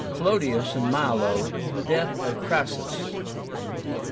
CLODIUS AND MILO. DEATH OF CRASSUS.